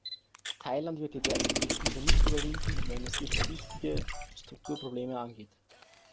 Thailand wird die derzeitige Krise nicht überwinden, wenn es nicht wichtige Strukturprobleme angeht.